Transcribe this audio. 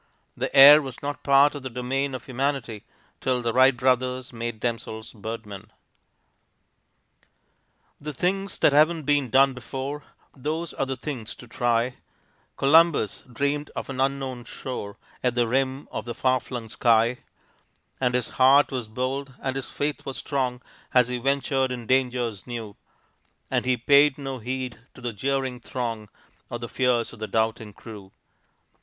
The air was not part of the domain of humanity till the Wright brothers made themselves birdmen. The things that haven't been done before, Those are the things to try; Columbus dreamed of an unknown shore At the rim of the far flung sky, And his heart was bold and his faith was strong As he ventured in dangers new, And he paid no heed to the jeering throng Or the fears of the doubting crew.